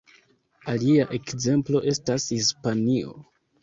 Alia ekzemplo estas Hispanio.